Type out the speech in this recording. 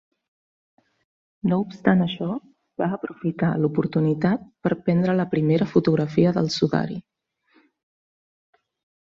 No obstant això, va aprofitar l'oportunitat per prendre la primera fotografia del sudari.